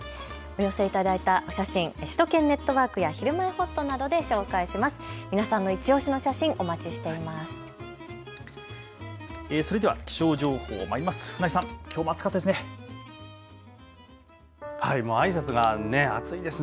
お寄せいただいたお写真、首都圏ネットワークやひるまえほっとなどで紹介します。